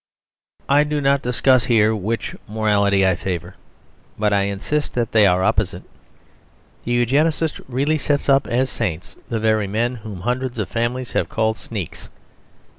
I do not discuss here which morality I favour; but I insist that they are opposite. The Eugenist really sets up as saints the very men whom hundreds of families have called sneaks.